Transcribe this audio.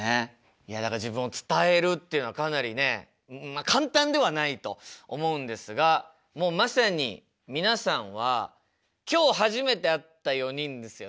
いやだから自分を伝えるっていうのはかなりね簡単ではないと思うんですがもうまさに皆さんは今日初めて会った４人ですよね？